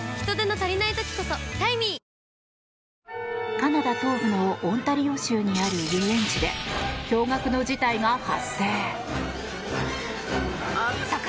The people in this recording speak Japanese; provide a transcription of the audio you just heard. カナダ東部のオンタリオ州にある遊園地で驚愕の事態が発生。